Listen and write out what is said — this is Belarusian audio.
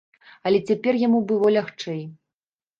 Але цяпер яму было лягчэй.